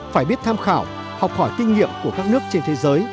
phải biết tham khảo học hỏi kinh nghiệm